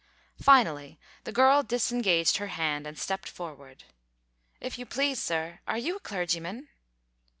Finally, the girl disengaged her hand and stepped forward "If you please, sir, are you a clergyman?"